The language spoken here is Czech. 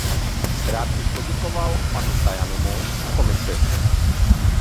Rád bych poděkoval panu Tajanimu a Komisi.